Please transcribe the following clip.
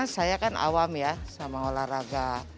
saya kan awam ya sama olahraga